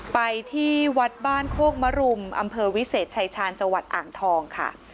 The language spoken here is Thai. ไปที่วัดบ้านโคกมรุมอำเภอวิเศษชายชาญจังหวัดอ่างทองค่ะ